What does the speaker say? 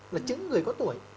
là chứng người có tuổi